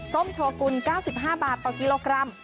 ส้มโชกุล๙๕บาทต่อกิโลกรัม